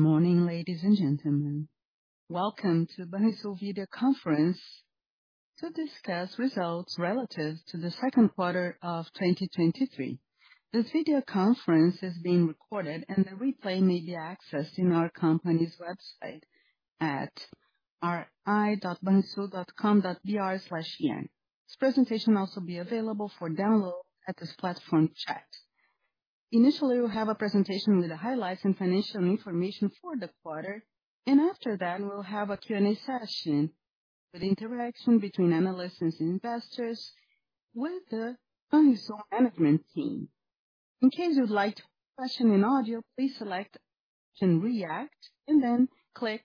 Good morning, ladies and gentlemen. Welcome to Banrisul Video Conference to discuss results relative to the Second Quarter of 2023. This video conference is being recorded, and the replay may be accessed in our company's website at ri.banrisul.com.br/en. This presentation will also be available for download at this platform chat. Initially, we'll have a presentation with the highlights and financial information for the quarter, and after that, we'll have a Q&A session with interaction between analysts and investors with the Banrisul management team. In case you'd like to question in audio, please select and react, and then click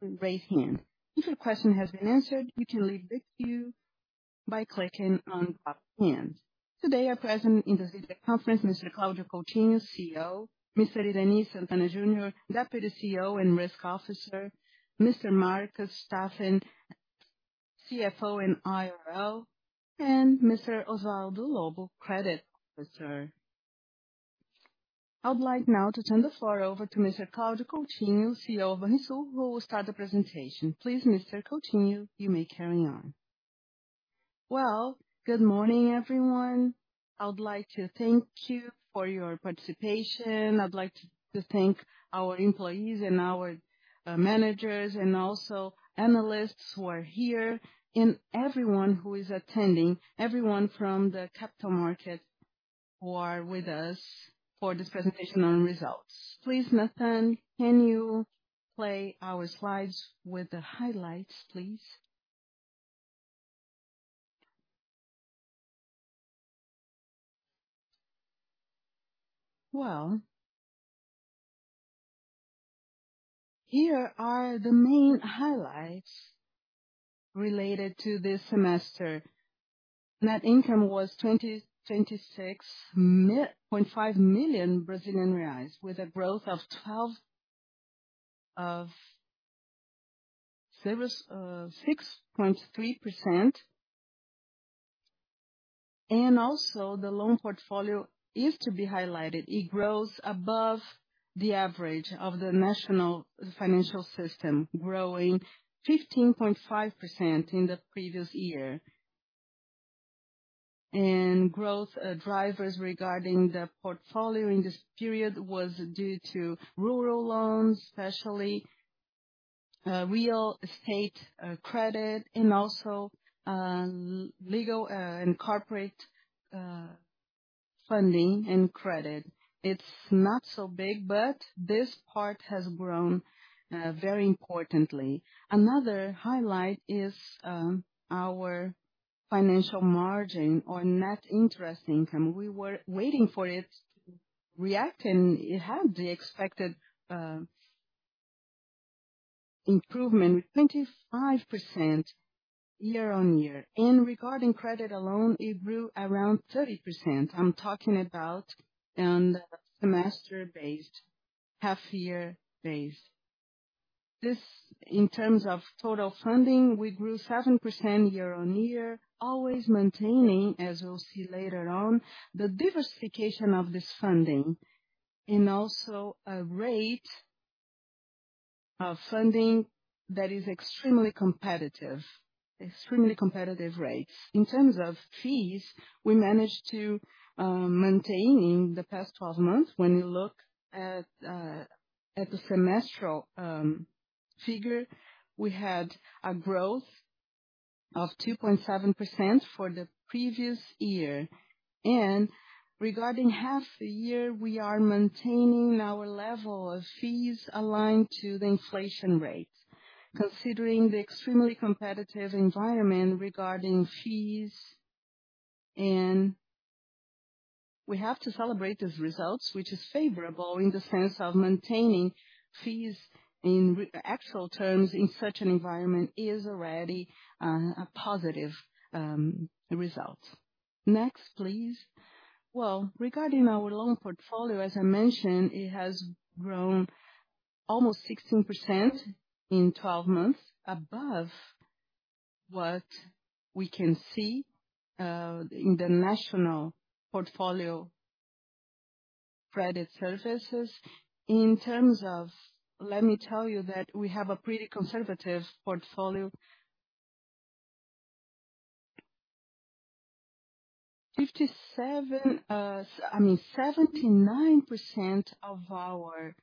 Raise Hand. If your question has been answered, you can leave the queue by clicking on Drop Hand. Today, are present in this conference Mr. Claudio Coutinho, CEO, Mr. Irany Sant’Anna Jr, Deputy CEO and Risk Officer, Mr. Marcus Staffen, CFO and IRO, and Mr. Osvaldo Lobo, Credit Officer. I would like now to turn the floor over to Mr. Claudio Coutinho, CEO of Banrisul, who will start the presentation. Please, Mr. Coutinho, you may carry on. Well, good morning, everyone. I would like to thank you for your participation. I'd like to thank our employees and our managers, and also analysts who are here, and everyone who is attending, everyone from the capital market who are with us for this presentation on results. Please, Nathan, can you play our slides with the highlights, please? Well, here are the main highlights related to this semester. Net income was 26.5 million Brazilian reais, with a growth of 7.63%. Also, the loan portfolio is to be highlighted. It grows above the average of the national financial system, growing 15.5% in the previous year. Growth drivers regarding the portfolio in this period was due to rural loans, especially real estate credit, and also legal and corporate funding and credit. It's not so big, but this part has grown very importantly. Another highlight is our financial margin on net interest income. We were waiting for it to react, it had the expected improvement, 25% year-over-year. Regarding credit alone, it grew around 30%. I'm talking about on the semester based, half year based. This, in terms of total funding, we grew 7% year-over-year, always maintaining, as you'll see later on, the diversification of this funding, and also a rate of funding that is extremely competitive, extremely competitive rates. In terms of fees, we managed to maintaining the past 12 months. When you look at, at the semestral figure, we had a growth of 2.7% for the previous year. Regarding half the year, we are maintaining our level of fees aligned to the inflation rate, considering the extremely competitive environment regarding fees, and we have to celebrate these results, which is favorable in the sense of maintaining fees in re- actual terms in such an environment, is already a positive result. Next, please. Well, regarding our loan portfolio, as I mentioned, it has grown almost 16% in 12 months, above what we can see in the national portfolio credit services. Let me tell you that we have a pretty conservative portfolio. I mean, 79% of our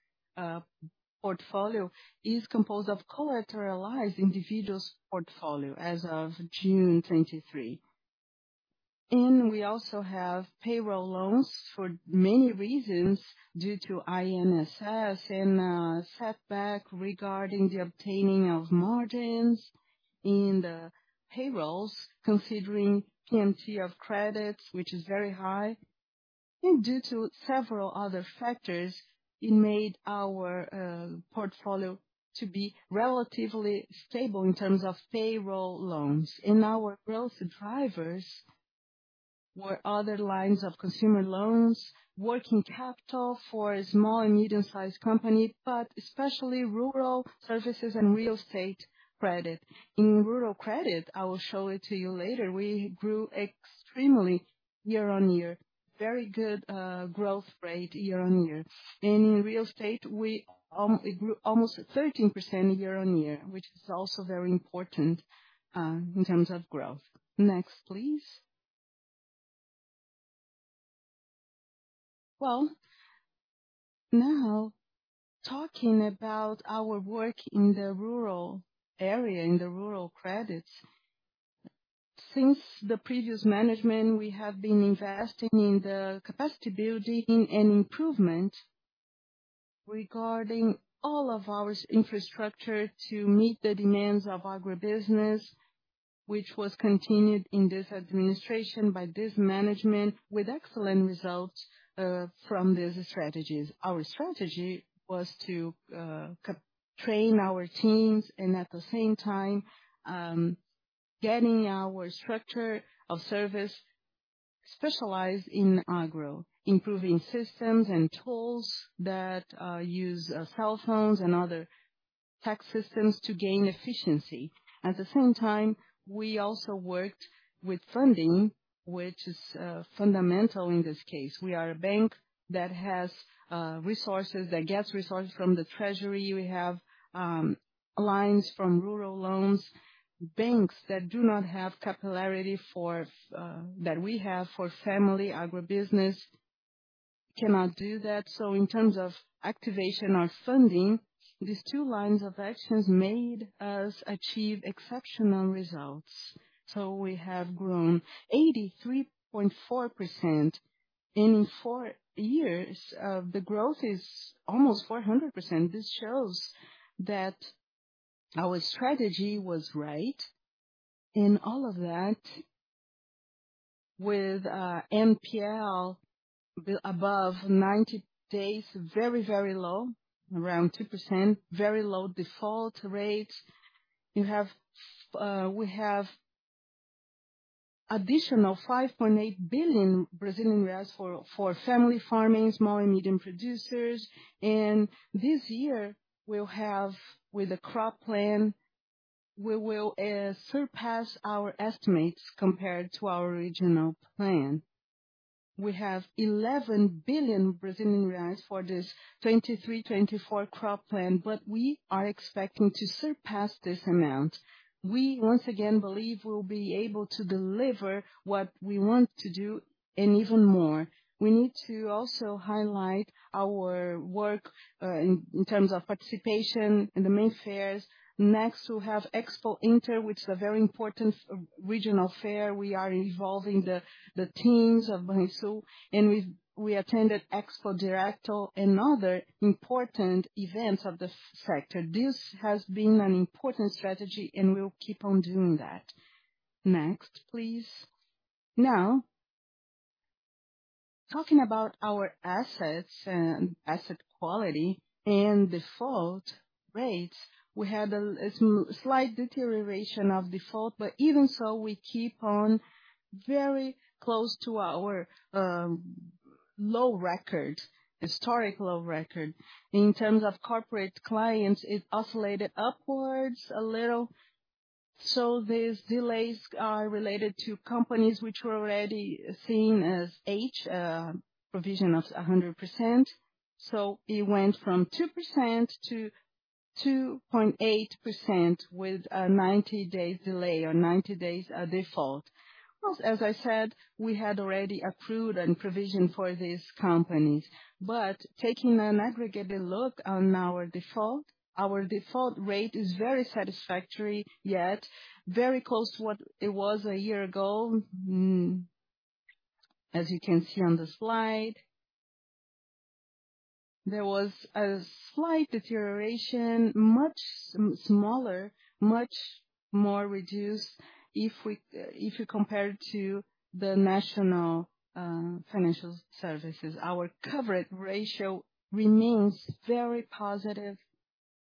portfolio is composed of collateralized individuals portfolio as of June 2023. We also have payroll loans for many reasons, due to INSS and setback regarding the obtaining of margins in the payrolls, considering plenty of credits, which is very high. Due to several other factors, it made our portfolio to be relatively stable in terms of payroll loans. Our growth drivers were other lines of consumer loans, working capital for small and medium-sized company, but especially rural services and real estate credit. In rural credit, I will show it to you later, we grew extremely year-on-year. Very good growth rate year-on-year. In real estate, we it grew almost 13% year-on-year, which is also very important in terms of growth. Next, please. Well, now, talking about our work in the rural area, in the rural credits. Since the previous management, we have been investing in the capacity building and improvement regarding all of our infrastructure to meet the demands of agribusiness, which was continued in this administration by this management, with excellent results from these strategies. Our strategy was to train our teams and at the same time, getting our structure of service specialized in agro, improving systems and tools that use cell phones and other tech systems to gain efficiency. At the same time, we also worked with funding, which is fundamental in this case. We are a bank that has resources, that gets resources from the treasury. We have lines from rural loans. Banks that do not have capillarity for that we have for family agribusiness, cannot do that. In terms of activation or funding, these two lines of actions made us achieve exceptional results. We have grown 83.4%. In four years, the growth is almost 400%. This shows that our strategy was right, and all of that with NPL above 90 days, very, very low, around 2%, very low default rates. We have additional 5.8 billion Brazilian reais for, for family farming, small and medium producers, and this year, we'll have, with the Crop Plan, we will surpass our estimates compared to our original plan. We have 11 billion Brazilian reais for this 2023-2024 Crop Plan, but we are expecting to surpass this amount. We once again believe we'll be able to deliver what we want to do and even more. We need to also highlight our work in, in terms of participation in the main fairs. Next, we have Expointer, which is a very important regional fair. We are involving the, the teams of Banrisul, we attended Expodireto and other important events of the sector. This has been an important strategy, we'll keep on doing that. Next, please. Now, talking about our assets and asset quality and default rates, we had a slight deterioration of default, even so, we keep on very close to our low records, historic low record. In terms of corporate clients, it oscillated upwards a little. These delays are related to companies which were already seen as H, provision of 100%. It went from 2% to 2.8% with a 90-day delay or 90 days default. Well, as I said, we had already approved and provisioned for these companies, but taking an aggregated look on our default, our default rate is very satisfactory, yet very close to what it was a year ago, as you can see on the slide, there was a slight deterioration, much smaller, much more reduced if we, if you compare it to the national financial services. Our coverage ratio remains very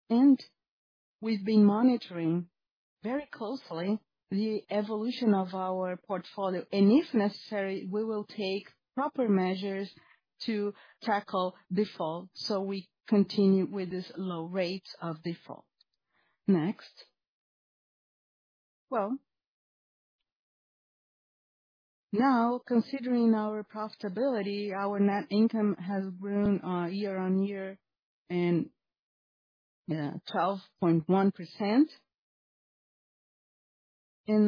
positive, and we've been monitoring very closely the evolution of our portfolio, and if necessary, we will take proper measures to tackle default, so we continue with this low rate of default, next. Well, now, considering our profitability, our net income has grown year-on-year in 12.1%.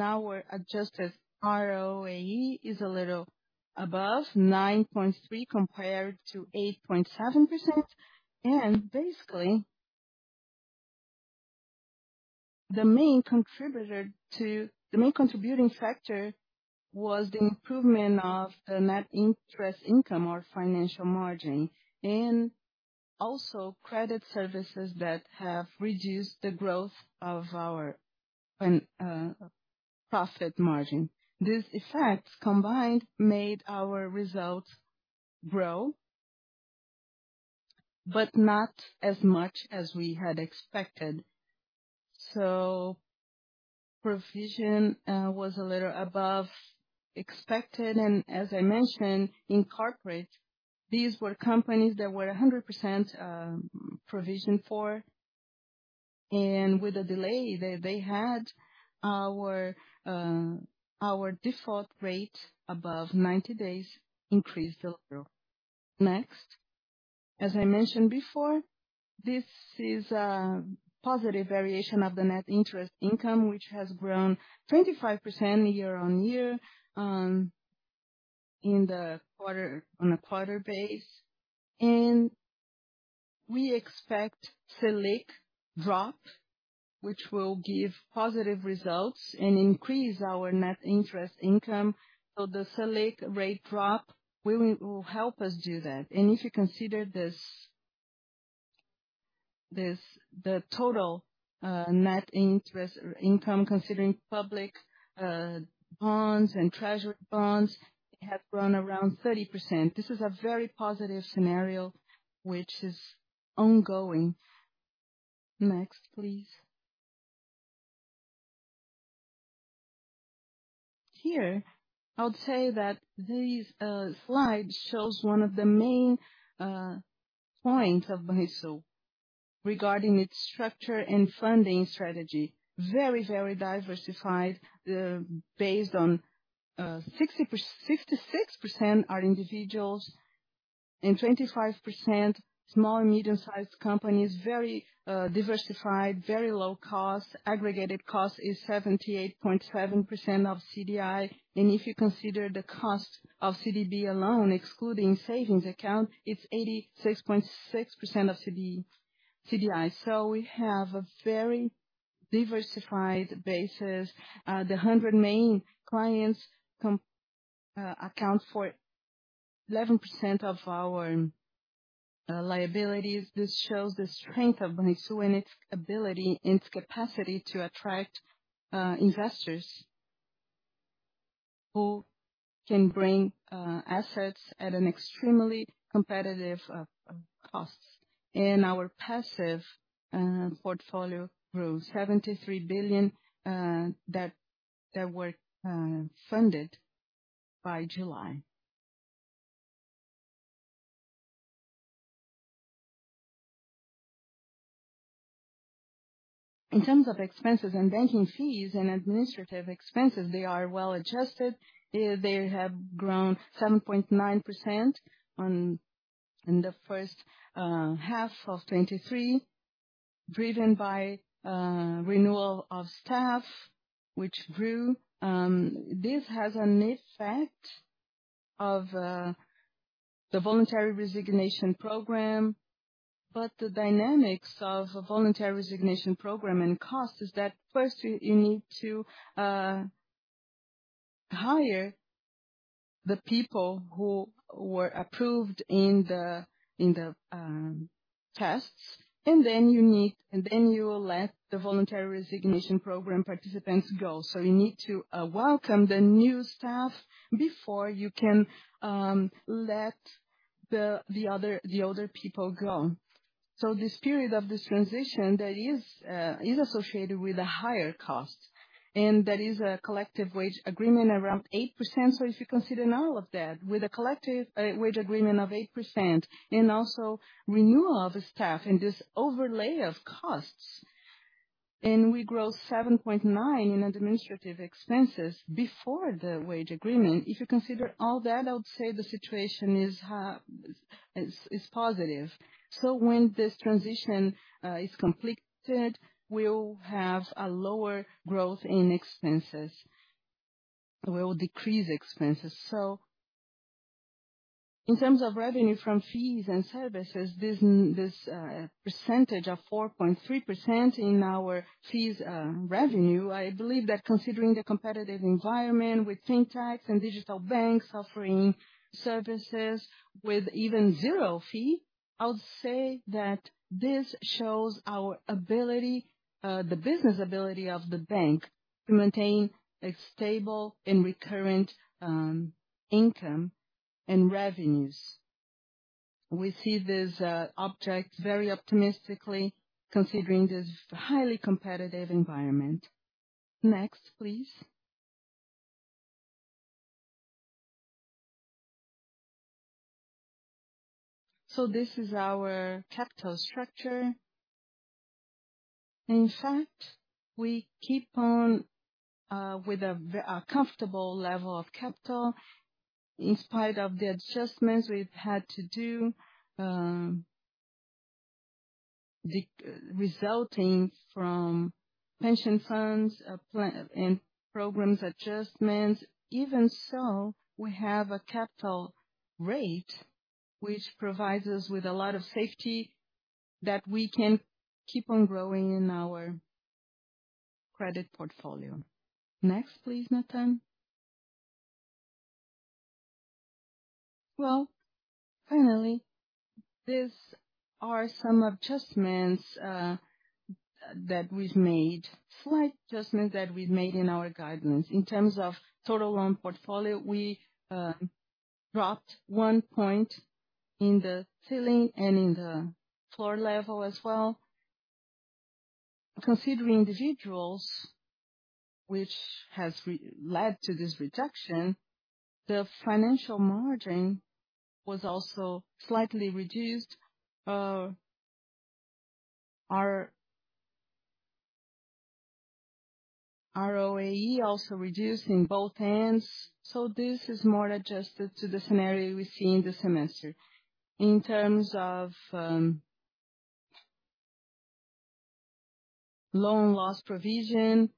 Our adjusted ROAE is a little above 9.3 compared to 8.7%. Basically, the main contributing factor was the improvement of the net interest income or financial margin, and also credit services that have reduced the growth of our profit margin. These effects combined made our results grow, but not as much as we had expected. Provision was a little above expected, and as I mentioned, in corporate, these were companies that were 100% provisioned for, and with the delay they, they had, our default rate above 90 days increased a little. Next. As I mentioned before, this is a positive variation of the net interest income, which has grown 25% year-on-year in the quarter, on a quarter base. We expect Selic drop, which will give positive results and increase our net interest income. The Selic rate drop will help us do that. If you consider this, the total net interest or income, considering public bonds and treasury bonds, it has grown around 30%. This is a very positive scenario, which is ongoing. Next, please. Here, I would say that this slide shows one of the main points of Banrisul regarding its structure and funding strategy. Very, very diversified, based on 66% are individuals and 25% small and medium-sized companies. Very diversified, very low cost. Aggregated cost is 78.7% of CDI. If you consider the cost of CDB alone, excluding savings account, it's 86.6% of CDI. We have a very diversified basis the hundred main clients account for 11% of our liabilities. This shows the strength of Banrisul and its ability and its capacity to attract investors, who can bring assets at an extremely competitive cost. Our liabilities portfolio grew R$73 billion that were funded by July. In terms of expenses and banking fees and administrative expenses, they are well adjusted. They have grown 7.9% in the first half of 2023, driven by renewal of staff, which grew This has an effect of the voluntary resignation program. The dynamics of a voluntary resignation program and cost is that first you, you need to hire the people who were approved in the, in the tests, and then you let the voluntary resignation program participants go. You need to welcome the new staff before you can let the, the other, the older people go. This period of this transition that is associated with a higher cost. There is a collective wage agreement around 8%. If you consider all of that, with a collective wage agreement of 8% and also renewal of the staff and this overlay of costs. We grow 7.9% in administrative expenses before the wage agreement. If you consider all that, I would say the situation is, is positive. When this transition is completed, we'll have a lower growth in expenses. We will decrease expenses. In terms of revenue from fees and services, this, this percentage of 4.3% in our fees revenue, I believe that considering the competitive environment with fintechs and digital banks offering services with even zero fee, I'll say that this shows our ability, the business ability of the bank, to maintain a stable and recurrent income and revenues. We see this object very optimistically, considering this highly competitive environment. Next, please. This is our capital structure. In fact, we keep on with a comfortable level of capital. In spite of the adjustments we've had to do. Resulting from pension funds, plan, and programs adjustments. Even so, we have a capital rate, which provides us with a lot of safety, that we can keep on growing in our credit portfolio. Next, please, Nathan. Well, finally, these are some adjustments that we've made, slight adjustments that we've made in our guidance. In terms of total loan portfolio, we dropped 1 point in the ceiling and in the floor level as well. Considering individuals, which has led to this reduction, the financial margin was also slightly reduced. Our ROAE also reduced in both ends, so this is more adjusted to the scenario we see in the semester. In terms of loan loss provision,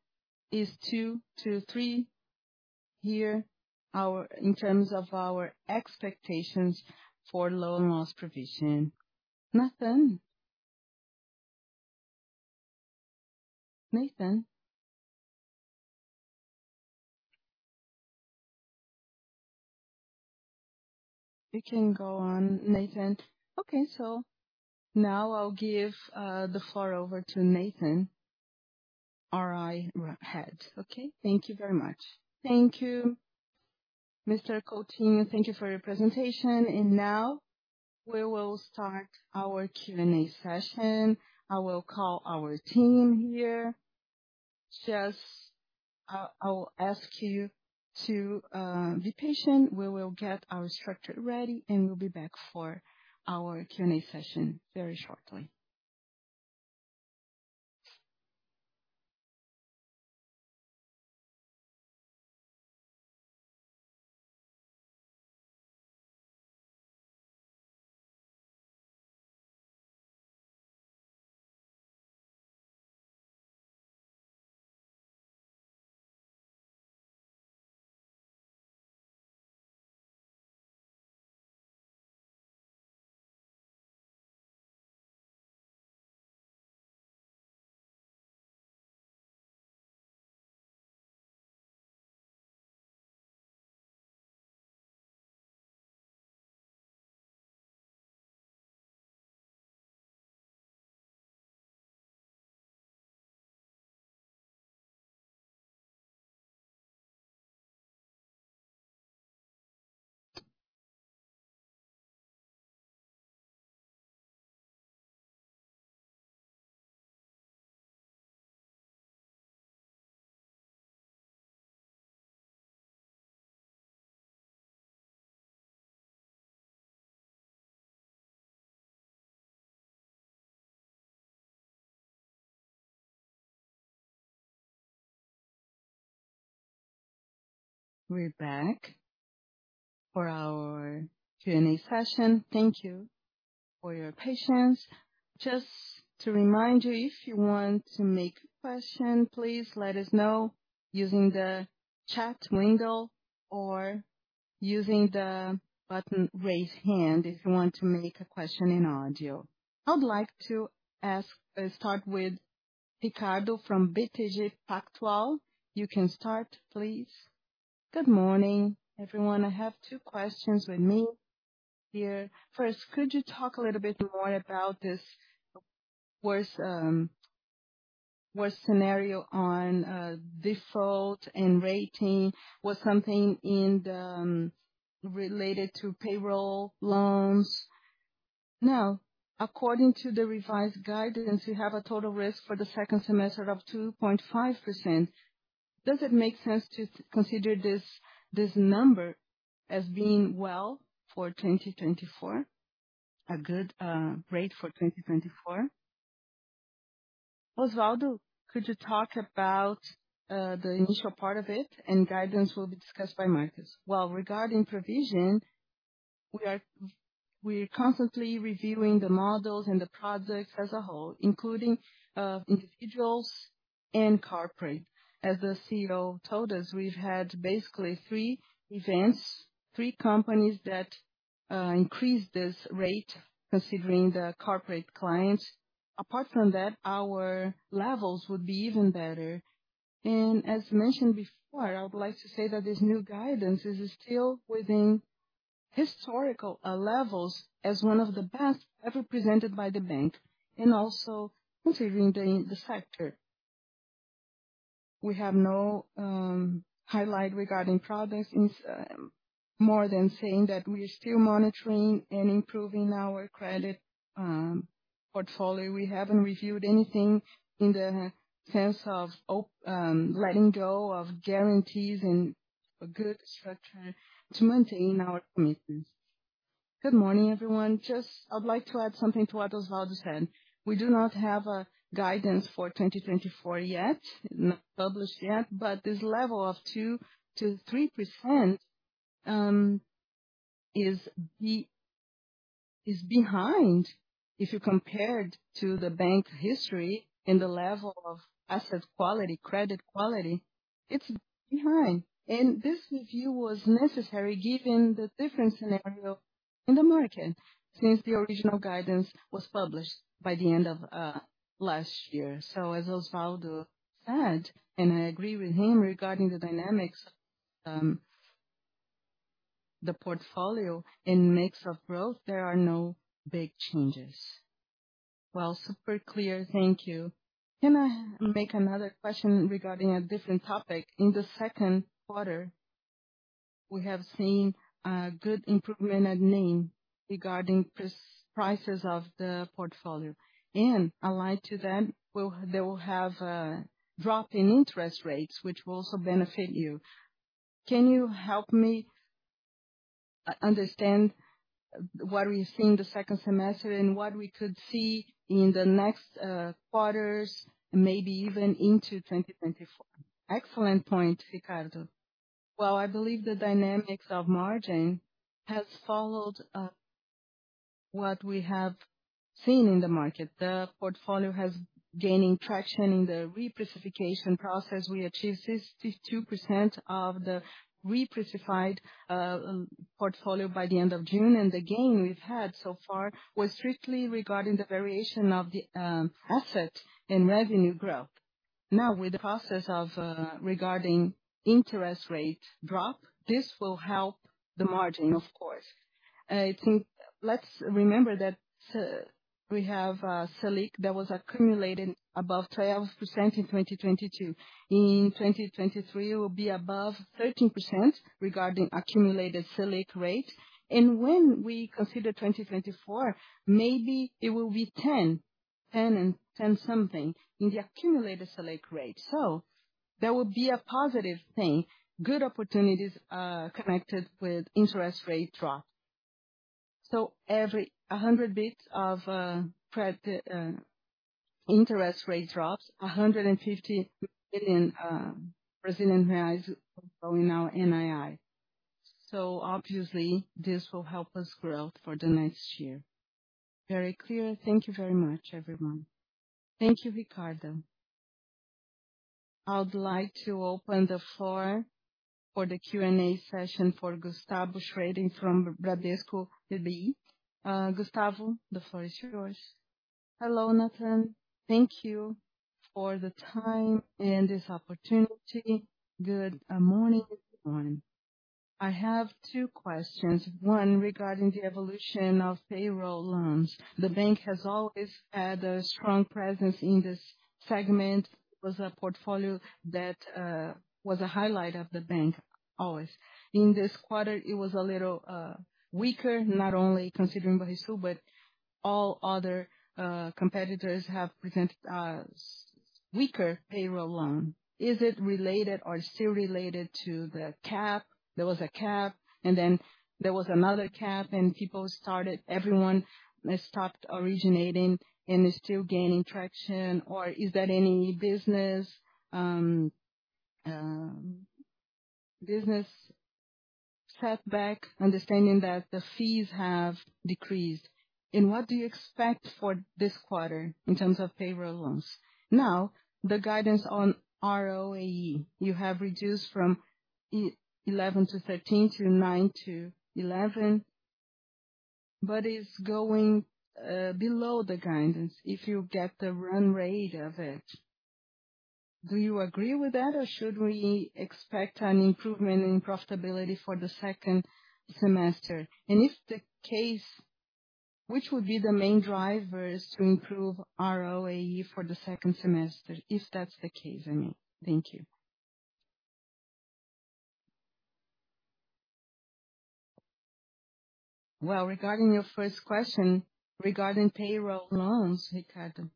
is two-three year, in terms of our expectations for loan loss provision. Nathan? Nathan? We can go on, Nathan. Okay, now I'll give the floor over to Nathan, our IR, head. Okay, thank you very much. Thank you, Mr. Coutinho. Thank you for your presentation. Now we will start our Q&A session. I will call our team here. Just I, I will ask you to be patient. We will get our structure ready, and we'll be back for our Q&A session very shortly. We're back for our Q&A session. Thank you for your patience. Just to remind you, if you want to make a question, please let us know using the chat window or using the button, Raise Hand, if you want to make a question in audio. I'd like to ask, start with Ricardo from BTG Pactual. You can start, please. Good morning, everyone. I have two questions with me here. First, could you talk a little bit more about this worst, worst scenario on default and rating, was something in the related to payroll loans? According to the revised guidance, you have a total risk for the second semester of 2.5%. Does it make sense to consider this, this number as being well for 2024, a good rate for 2024? Osvaldo, could you talk about the initial part of it, and guidance will be discussed by Marcus. Regarding provision, we are, we're constantly reviewing the models and the projects as a whole, including individuals and corporate. As the CEO told us, we've had basically three events, three companies that increased this rate, considering the corporate clients. Apart from that, our levels would be even better. As mentioned before, I would like to say that this new guidance is still within historical levels, as one of the best ever presented by the bank and also considering the sector. We have no highlight regarding products, more than saying that we are still monitoring and improving our credit portfolio. We haven't reviewed anything in the sense of letting go of guarantees and a good structure to maintain our commitments. Good morning, everyone. Just I'd like to add something to what Osvaldo said. We do not have a guidance for 2024 yet, not published yet, but this level of 2%-3% is behind, if you compare it to the bank history and the level of asset quality, credit quality, it's behind. This review was necessary given the different scenario in the market since the original guidance was published by the end of last year. As Osvaldo said, and I agree with him regarding the dynamics, the portfolio and mix of growth, there are no big changes. Well, super clear. Thank you. Can I make another question regarding a different topic? In the second quarter, we have seen a good improvement at NIM regarding prices of the portfolio, and aligned to that, they will have a drop in interest rates, which will also benefit you. Can you help me understand what we see in the second semester and what we could see in the next quarters, maybe even into 2024? Excellent point, Ricardo. Well, I believe the dynamics of margin has followed what we have seen in the market. The portfolio has gaining traction in the re-pricification process. We achieved 62% of the re-pricified, portfolio by the end of June, and the gain we've had so far was strictly regarding the variation of the, asset and revenue growth. Now, with the process of, regarding interest rate drop, this will help the margin, of course. Let's remember that, we have, Selic that was accumulated above 12% in 2022. In 2023, it will be above 13% regarding accumulated Selic rate, and when we consider 2024, maybe it will be 10, 10 and 10 something in the accumulated Selic rate. That will be a positive thing. Good opportunities, connected with interest rate drop. Every 100 bits of interest rate drops, 150 billion Brazilian reais go in our NII. Obviously, this will help us grow for the next year. Very clear. Thank you very much, everyone. Thank you, Ricardo. I would like to open the floor for the Q&A session for Gustavo Schroden from Bradesco BBI. Gustavo, the floor is yours. Hello, Nathan. Thank you for the time and this opportunity. Good morning, everyone. I have two questions, one regarding the evolution of payroll loans. The bank has always had a strong presence in this segment. It was a portfolio that was a highlight of the bank, always. In this quarter, it was a little weaker, not only considering Banrisul, but all other competitors have presented weaker payroll loan. Is it related or still related to the cap? There was a cap, then there was another cap. Everyone stopped originating and is still gaining traction. Is there any business setback, understanding that the fees have decreased? What do you expect for this quarter in terms of payroll loans? Now, the guidance on ROAE, you have reduced from 11-13 to 9-11, but it's going below the guidance, if you get the run rate of it. Do you agree with that, or should we expect an improvement in profitability for the second semester? If the case, which would be the main drivers to improve ROAE for the second semester, if that's the case, I mean. Thank you. Well, regarding your first question, regarding payroll loans, Ricardo.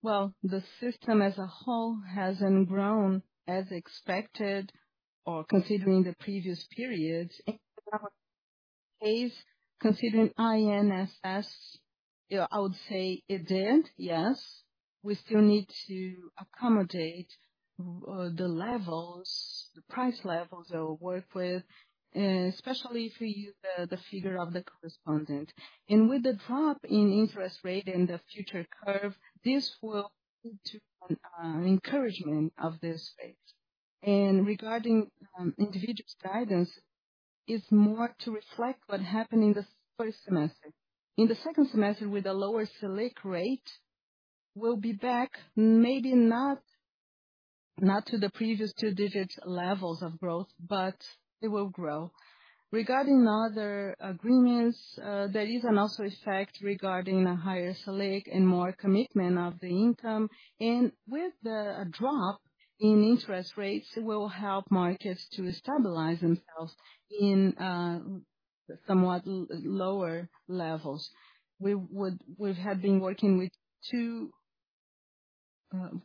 Well, the system as a whole hasn't grown as expected or considering the previous period. In our case, considering INSS, yeah, I would say it did, yes. We still need to accommodate the levels, the price levels that we work with, especially if we use the figure of the correspondent. With the drop in interest rate and the future curve, this will lead to an encouragement of this space. Regarding individual guidance, it's more to reflect what happened in the first semester. In the second semester, with a lower Selic rate, we'll be back, maybe not, not to the previous two-digit levels of growth, but it will grow. Regarding other agreements, there is an also effect regarding the higher Selic and more commitment of the income, and with the drop in interest rates, it will help markets to stabilize themselves in somewhat lower levels. We have been working with two,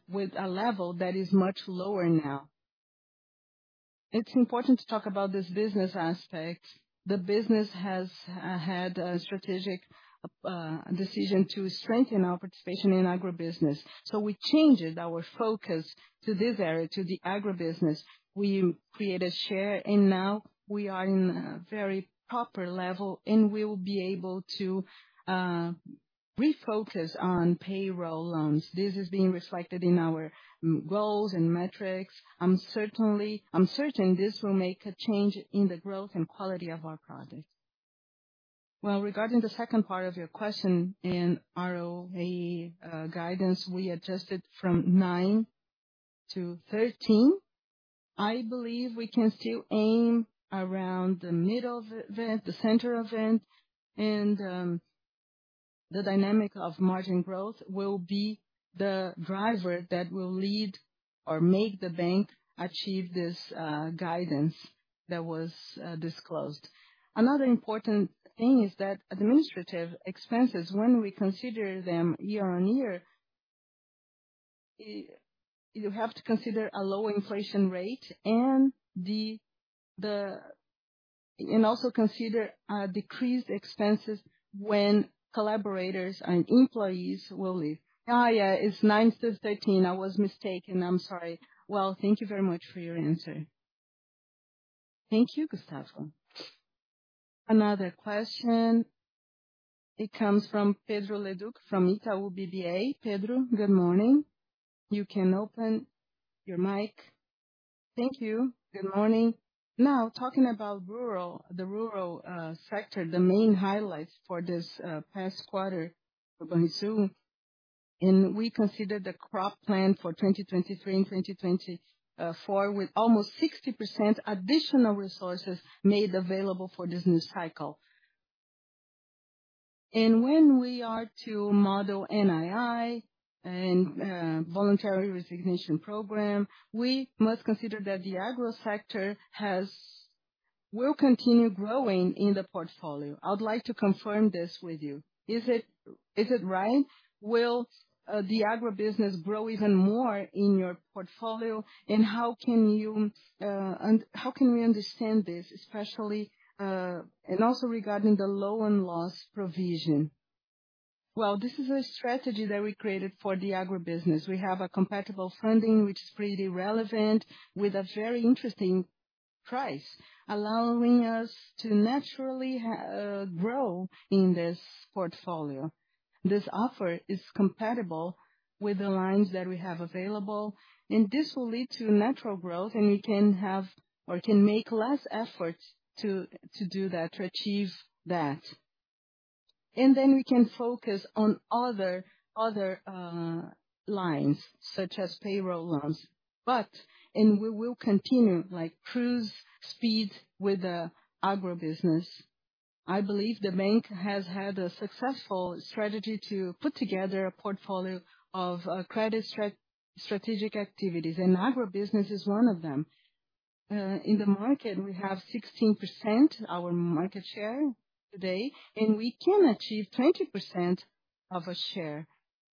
with a level that is much lower now. It's important to talk about this business aspect. The business has had a strategic decision to strengthen our participation in agribusiness. We changed our focus to this area, to the agribusiness. We created share, and now we are in a very proper level, and we will be able to refocus on payroll loans. This is being reflected in our goals and metrics. I'm certain this will make a change in the growth and quality of our projects. Well, regarding the second part of your question, in ROE guidance, we adjusted from 9 to 13. I believe we can still aim around the middle of it, the center of it, and the dynamic of margin growth will be the driver that will lead or make the bank achieve this guidance that was disclosed. Another important thing is that administrative expenses, when we consider them year-over-year, you have to consider a low inflation rate and also consider decreased expenses when collaborators and employees will leave. Yeah, it's 9-13. I was mistaken. I'm sorry. Well, thank you very much for your answer. Thank you, Gustavo. Another question, it comes from Pedro Leduc, from Itaú BBA. Pedro, good morning. You can open your mic. Thank you. Good morning. Now, talking about rural, the rural sector, the main highlights for this past quarter, for Banrisul, and we consider the Crop Plan for 2023 and 2024, with almost 60% additional resources made available for this new cycle. When we are to model NII and voluntary resignation program, we must consider that the agro sector has—will continue growing in the portfolio. I'd like to confirm this with you. Is it, is it right? Will the agribusiness grow even more in your portfolio, and how can you, and how can we understand this, especially...also regarding the loan loss provision? Well, this is a strategy that we created for the agribusiness. We have a compatible funding, which is pretty relevant, with a very interesting price, allowing us to naturally grow in this portfolio. This offer is compatible with the lines that we have available, this will lead to natural growth, and we can have or can make less effort to, to do that, to achieve that. Then we can focus on other lines, such as payroll loans. We will continue, like, cruise speed with the agribusiness. I believe the bank has had a successful strategy to put together a portfolio of credit strategic activities, and agribusiness is one of them. In the market, we have 16%, our market share today, and we can achieve 20% of a share,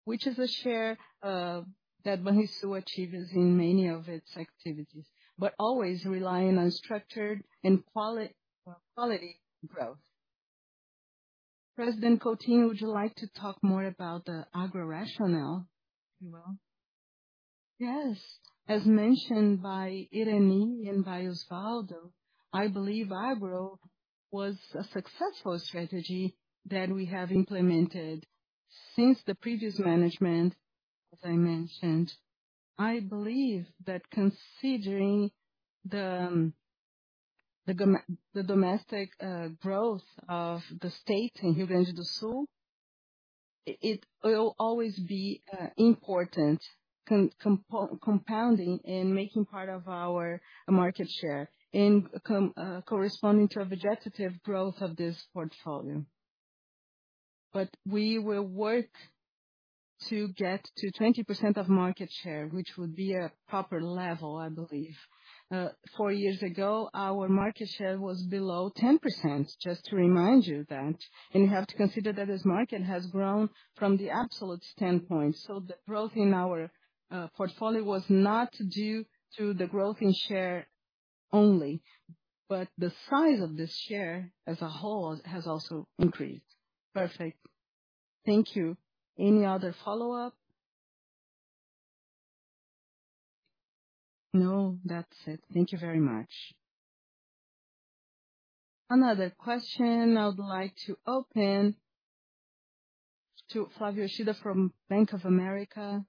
which is a share that Banrisul achieves in many of its activities, but always relying on structured and quali- quality growth. President Coutinho, would you like to talk more about the agro rationale, if you will? Yes. As mentioned by Irany and by Osvaldo, I believe agro was a successful strategy that we have implemented since the previous management, as I mentioned. I believe that considering the domestic growth of the state in Rio Grande do Sul, it, it will always be important, compounding and making part of our market share and corresponding to a vegetative growth of this portfolio. We will work to get to 20% of market share, which would be a proper level, I believe. Four years ago, our market share was below 10%, just to remind you that. You have to consider that this market has grown from the absolute standpoint, so the growth in our portfolio was not due to the growth in share only, but the size of this share as a whole has also increased. Perfect. Thank you. Any other follow-up? No, that's it. Thank you very much. Another question I would like to open to Flávio Yoshida from Bank of America.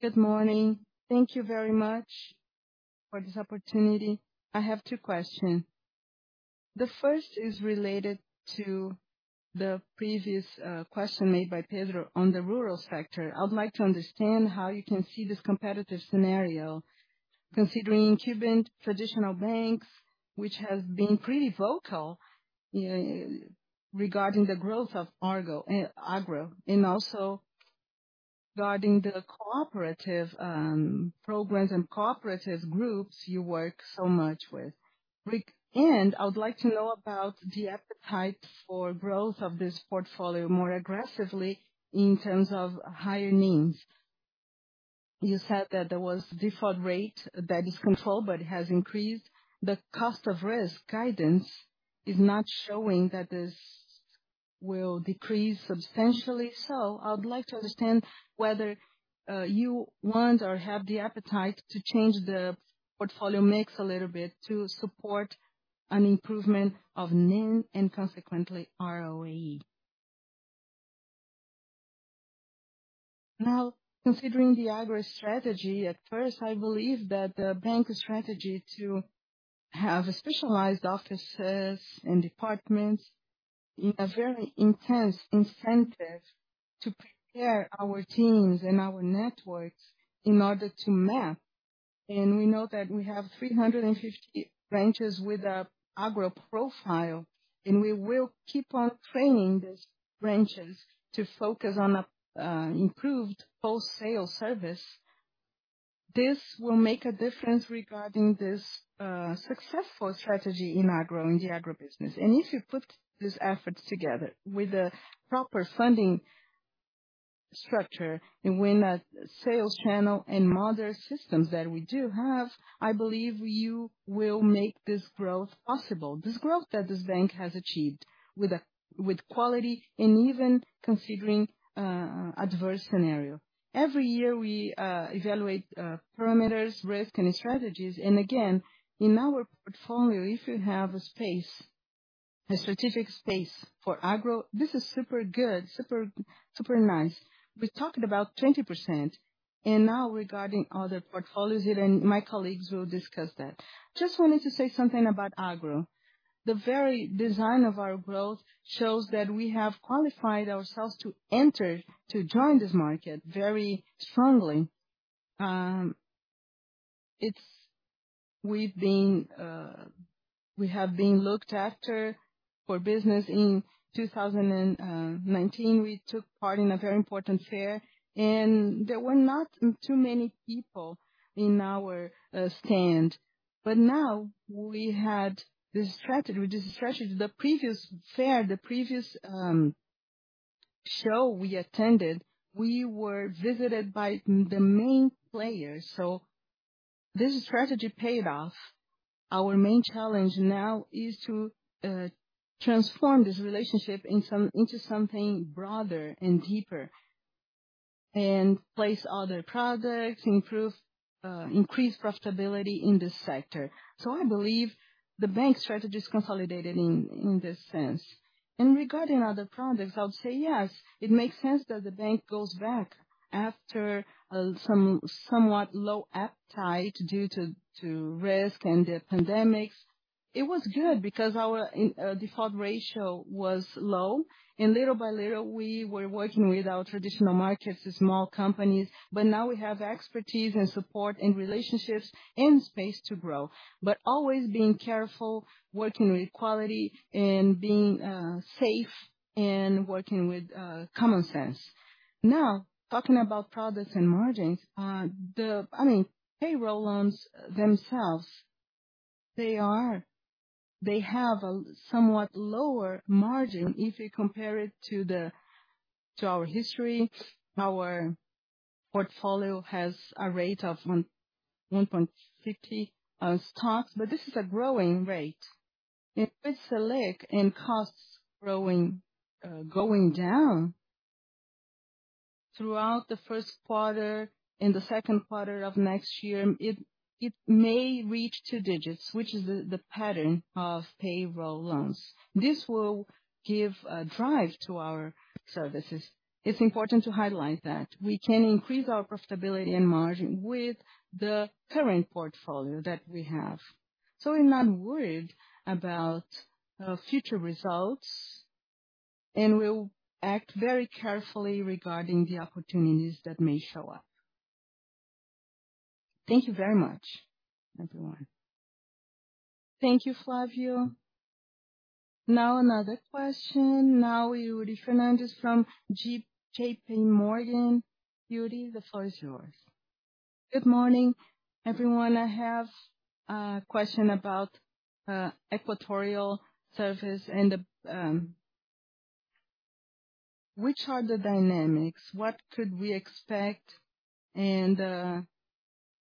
Good morning. Thank you very much for this opportunity. I have two question. The first is related to the previous question made by Pedro on the rural sector. I would like to understand how you can see this competitive scenario, considering incumbent traditional banks, which have been pretty vocal regarding the growth of agro, and also regarding the cooperative programs and cooperative groups you work so much with. I would like to know about the appetite for growth of this portfolio more aggressively in terms of higher NIMs. You said that there was default rate that is controlled, but it has increased. The cost of risk guidance is not showing that this will decrease substantially. I would like to understand whether you want or have the appetite to change the portfolio mix a little bit to support an improvement of NIM and consequently, ROE. Now, considering the agro strategy, at first, I believe that the bank's strategy to have specialized offices and departments in a very intense incentive to prepare our teams and our networks in order to map. We know that we have 350 branches with a agro profile, and we will keep on training these branches to focus on improved post-sale service. This will make a difference regarding this successful strategy in agro, in the agro business. If you put these efforts together with the proper funding structure, and when a sales channel and modern systems that we do have, I believe you will make this growth possible, this growth that this bank has achieved with quality and even considering adverse scenario. Every year, we evaluate parameters, risk, and strategies. Again, in our portfolio, if you have a space, a strategic space for agro, this is super good, super, super nice. We talked about 20%. Now regarding other portfolios, my colleagues will discuss that. Just wanted to say something about agro. The very design of our growth shows that we have qualified ourselves to enter, to join this market very strongly. It's, we've been, we have been looked after for business. In 2019, we took part in a very important fair, and there were not too many people in our stand. Now we had this strategy, with this strategy, the previous fair, the previous show we attended, we were visited by the main players. This strategy paid off. Our main challenge now is to transform this relationship into something broader and deeper, and place other products, improve, increase profitability in this sector. I believe the bank's strategy is consolidated in this sense. Regarding other products, I'll say yes, it makes sense that the bank goes back after somewhat low appetite due to risk and the pandemic. It was good because our default ratio was low. Little by little, we were working with our traditional markets, the small companies. Now we have expertise and support and relationships and space to grow. Always being careful, working with quality, and being safe, and working with common sense. Talking about products and margins, I mean, payroll loans themselves, they have a somewhat lower margin if you compare it to our history. Our portfolio has a rate of 1.50%, but this is a growing rate. If we select and costs growing, going down, throughout the first quarter and the second quarter of next year, it may reach two digits, which is the pattern of payroll loans. This will give a drive to our services. It's important to highlight that we can increase our profitability and margin with the current portfolio that we have. I'm not worried about future results, and we'll act very carefully regarding the opportunities that may show up. Thank you very much, everyone. Thank you, Flávio. Another question. Yuri Fernandes from JPMorgan. Yuri, the floor is yours. Good morning, everyone. I have a question about acquiring service and which are the dynamics? What could we expect and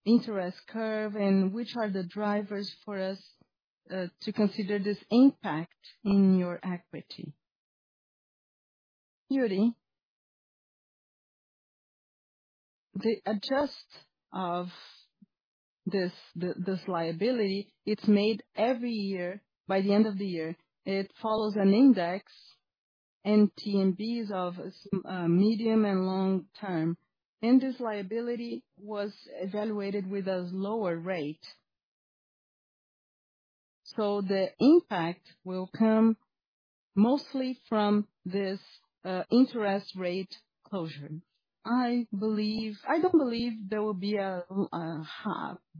interest curve, which are the drivers for us to consider this impact in your equity? Yuri, the adjust of this liability, it's made every year by the end of the year. It follows an index, NTN-Bs of medium and long term. This liability was evaluated with a lower rate. The impact will come mostly from this interest rate closure. I believe I don't believe there will be a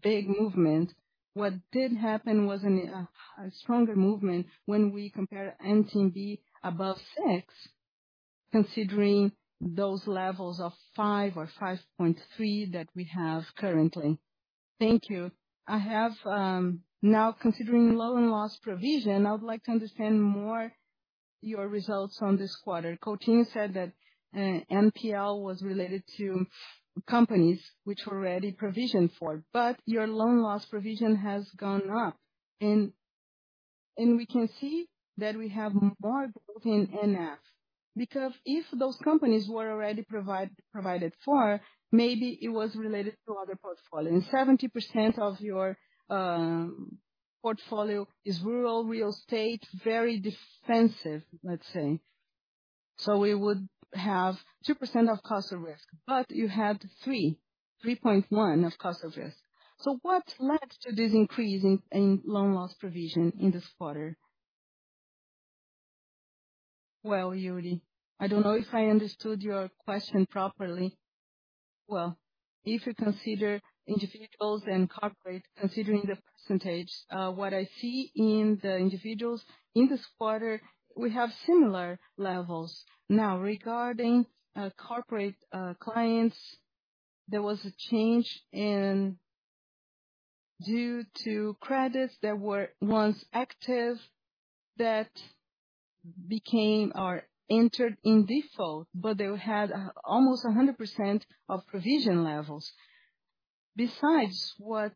big movement. What did happen was a stronger movement when we compare NTNB above 6, considering those levels of 5 or 5.3 that we have currently. Thank you. Now, considering loan loss provision, I would like to understand more your results on this quarter. Coutinho said that NPL was related to companies which were already provisioned for, but your loan loss provision has gone up, and we can see that we have more growth in NF, because if those companies were already provided for, maybe it was related to other portfolio. 70% of your portfolio is rural real estate, very defensive, let's say. We would have 2% of cost of risk, you had 3, 3.1 of cost of risk. What led to this increase in loan loss provision in this quarter? Well, Yuri, I don't know if I understood your question properly. Well, if you consider individuals and corporate, considering the percentage, what I see in the individuals in this quarter, we have similar levels. Now, regarding corporate clients, there was a change in due to credits that were once active, that became or entered in default, they had almost 100% of provision levels. Besides, what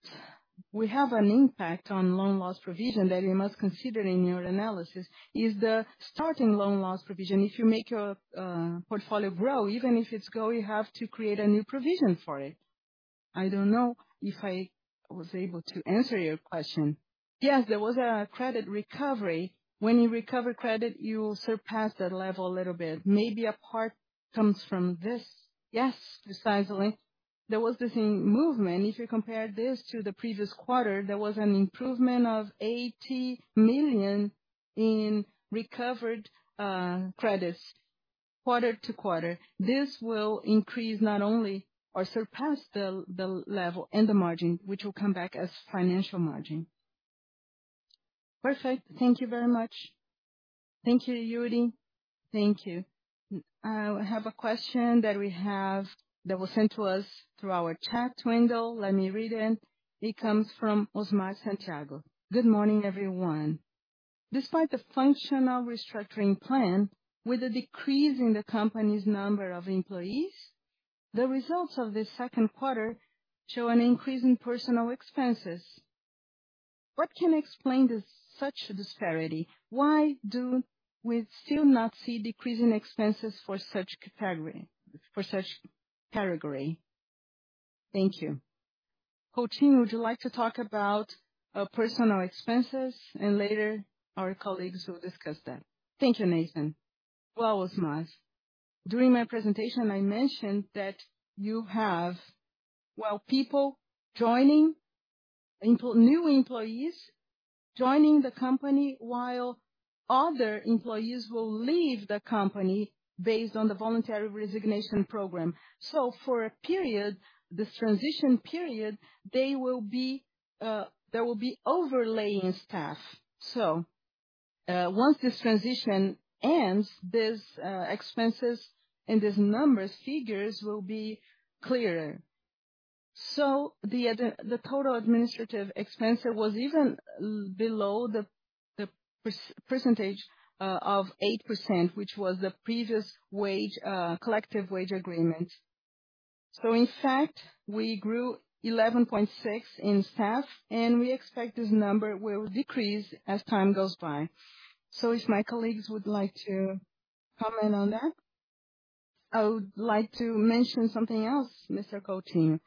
we have an impact on loan loss provision that you must consider in your analysis, is the starting loan loss provision. If you make your portfolio grow, even if it's go, you have to create a new provision for it. I don't know if I was able to answer your question. Yes, there was a credit recovery. When you recover credit, you surpass that level a little bit. Maybe a part comes from this. Yes, precisely. There was this movement. If you compare this to the previous quarter, there was an improvement of 80 million in recovered credits, quarter-to-quarter. This will increase not only or surpass the, the level and the margin, which will come back as financial margin. Perfect. Thank you very much. Thank you, Yuri. Thank you. I have a question that we have, that was sent to us through our chat window. Let me read it. It comes from Osmar Santiago. Good morning, everyone. Despite the functional restructuring plan, with a decrease in the company's number of employees, the results of this second quarter show an increase in personal expenses. What can explain this, such disparity? Why do we still not see decrease in expenses for such category, for such category? Thank you. Coutinho, would you like to talk about personal expenses, and later our colleagues will discuss that? Thank you, Nathan. Well, Osmar, during my presentation, I mentioned that you have, well, people joining, new employees joining the company, while other employees will leave the company based on the voluntary resignation program. For a period, this transition period, they will be, there will be overlaying staff. Once this transition ends, these expenses and these numbers, figures will be clearer. The ad, the total administrative expense was even below the percentage of 8%, which was the previous wage, collective wage agreement. In fact, we grew 11.6 in staff, and we expect this number will decrease as time goes by. If my colleagues would like to comment on that? I would like to mention something else, Mr. Coutinho.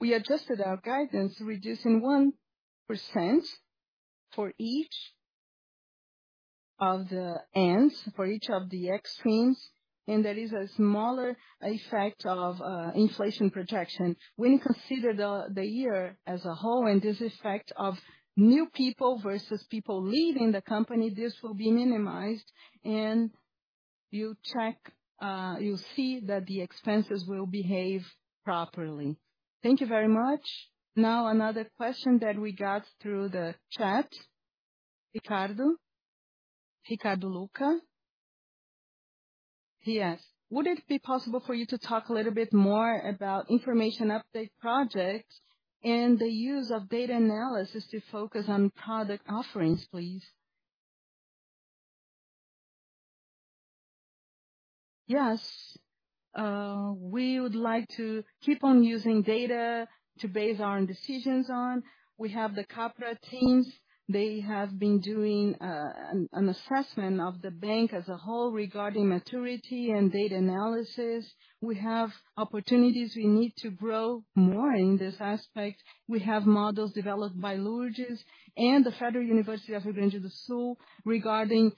We adjusted our guidance, reducing 1% for each of the ends, for each of the extremes, and there is a smaller effect of inflation projection. When you consider the, the year as a whole, and this effect of new people versus people leaving the company, this will be minimized, and you'll see that the expenses will behave properly. Thank you very much. Another question that we got through the chat. Ricardo, Ricardo Luca. He asked: Would it be possible for you to talk a little bit more about information update projects and the use of data analysis to focus on product offerings, please? Yes. We would like to keep on using data to base our decisions on. We have the corporate teams. They have been doing an assessment of the bank as a whole, regarding maturity and data analysis. We have opportunities we need to grow more in this aspect. We have models developed by Lourdes and the Federal University of Rio Grande do Sul, regarding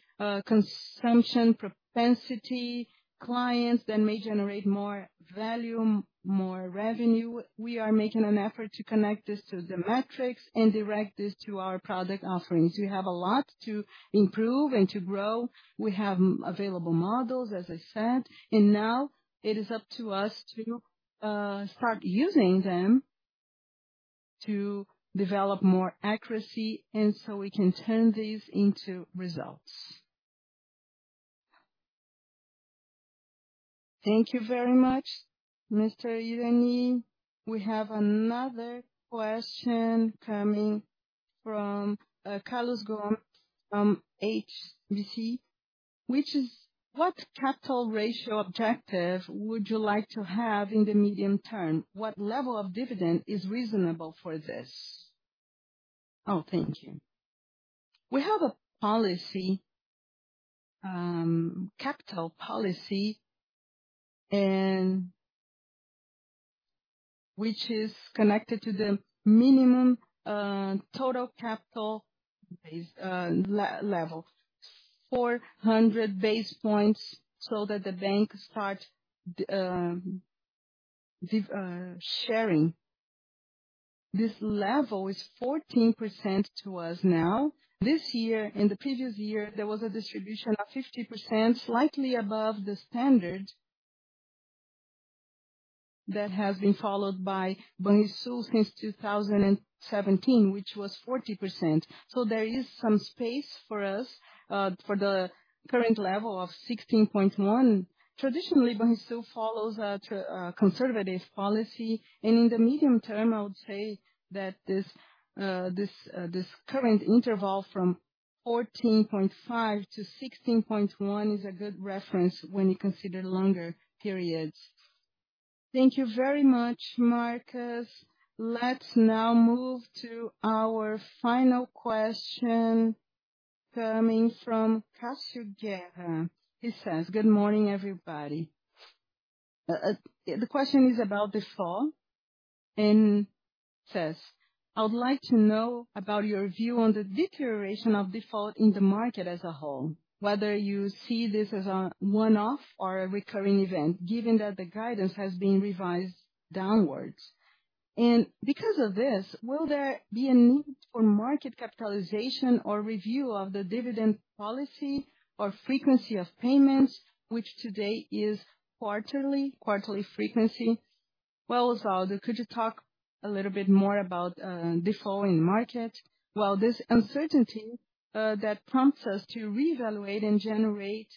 consumption, propensity, clients that may generate more value, more revenue. We are making an effort to connect this to the metrics and direct this to our product offerings. We have a lot to improve and to grow. We have available models, as I said, and now it is up to us to start using them to develop more accuracy, and so we can turn this into results. Thank you very much, Mr. Irany. We have another question coming from Carlos Gomes from HSBC, which is: What capital ratio objective would you like to have in the medium term? What level of dividend is reasonable for this? Oh, thank you. We have a policy, capital policy, which is connected to the minimum total capital base level, 400 basis points, so that the bank starts sharing. This level is 14% to us now. This year, in the previous year, there was a distribution of 50%, slightly above the standard that has been followed by Banrisul since 2017, which was 40%. There is some space for us for the current level of 16.1. Traditionally, Banrisul follows a conservative policy, and in the medium term, I would say that this, this current interval from 14.5 to 16.1 is a good reference when you consider longer periods. Thank you very much, Marcus. Let's now move to our final question, coming from Cassio Guerra. He says, "Good morning, everybody." The question is about default, and says: I would like to know about your view on the deterioration of default in the market as a whole, whether you see this as a one-off or a recurring event, given that the guidance has been revised downwards. Will there be a need for market capitalization or review of the dividend policy or frequency of payments, which today is quarterly, quarterly frequency? Well, Osvaldo, could you talk a little bit more about default in market? Well, this uncertainty that prompts us to reevaluate and generate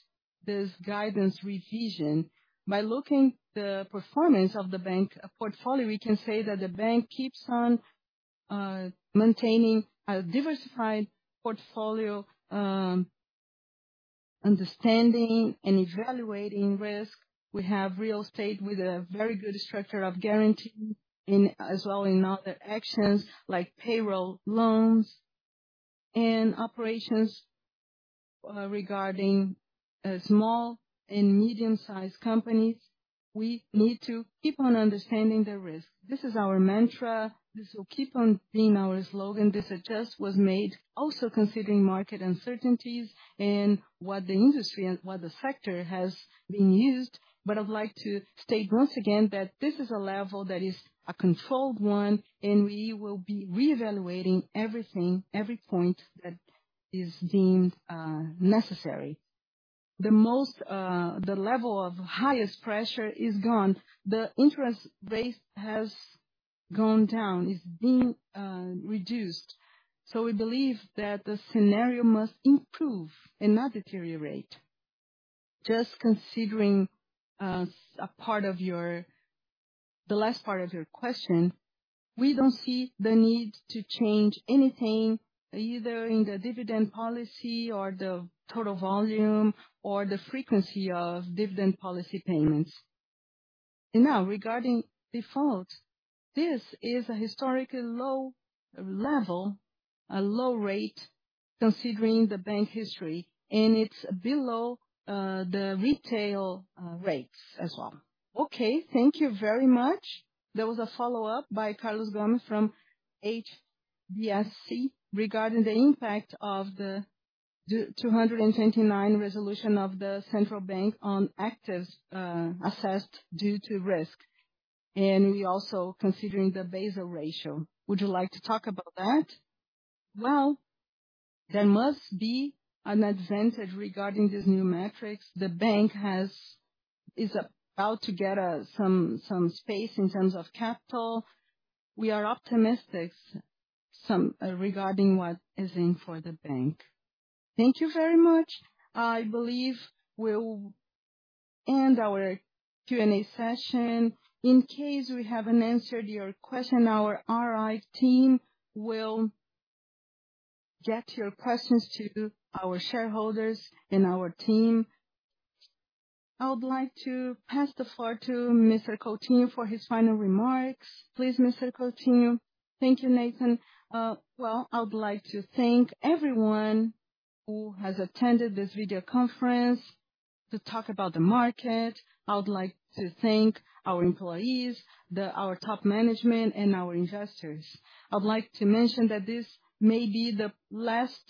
this guidance revision. By looking the performance of the bank portfolio, we can say that the bank keeps on maintaining a diversified portfolio, understanding and evaluating risk. We have real estate with a very good structure of guarantee, and as well in other actions, like payroll loans and operations regarding small and medium-sized companies. We need to keep on understanding the risk. This is our mantra. This will keep on being our slogan. This adjust was made also considering market uncertainties and what the industry and what the sector has been used. I'd like to state once again that this is a level that is a controlled one, and we will be reevaluating everything, every point that is deemed necessary. The most, the level of highest pressure is gone. The interest rate has gone down, it's been reduced. We believe that the scenario must improve and not deteriorate. Just considering a part of the last part of your question, we don't see the need to change anything, either in the dividend policy or the total volume or the frequency of dividend policy payments. Now, regarding defaults, this is a historically low level, a low rate, considering the bank history, and it's below the retail rates as well. Okay, thank you very much. There was a follow-up by Carlos Gomes from HSBC, regarding the impact of the 229 resolution of the Central Bank on assets assessed due to risk. We also considering the Basel ratio. Would you like to talk about that? Well, there must be an advantage regarding these new metrics. Is about to get some, some space in terms of capital. We are optimistic some regarding what is in for the bank. Thank you very much. I believe we'll end our Q&A session. In case we haven't answered your question, our IR team will get your questions to our Shareholders and our team. I would like to pass the floor to Mr. Coutinho for his final remarks. Please, Mr. Coutinho. Thank you, Nathan. Well, I would like to thank everyone who has attended this video conference to talk about the market. I would like to thank our employees, our top management, and our investors. I would like to mention that this may be the last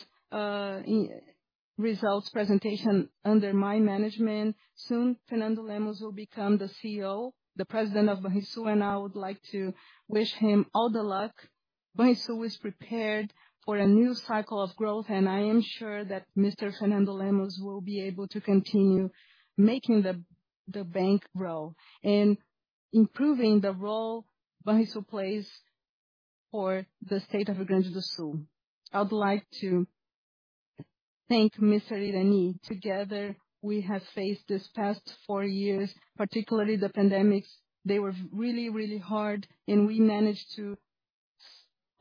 e-results presentation under my management. Soon, Fernando Lemos will become the CEO, the President of Banrisul, and I would like to wish him all the luck. Banrisul is prepared for a new cycle of growth, and I am sure that Mr. Fernando Lemos will be able to continue making the bank grow and improving the role Banrisul plays for the state of Rio Grande do Sul. I would like to thank Mr. Irany. Together, we have faced these past four years, particularly the pandemic. They were really, really hard, and we managed to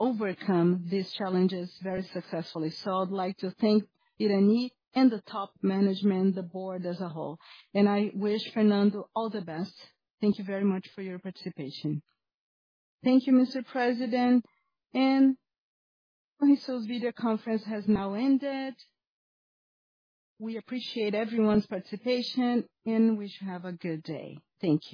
overcome these challenges very successfully. I'd like to thank Irany and the top management, the board as a whole, and I wish Fernando all the best. Thank you very much for your participation. Thank you, Mr. President. Banrisul's video conference has now ended. We appreciate everyone's participation and we wish you have a good day. Thank you.